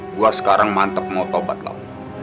gue sekarang mantep mau tobat lah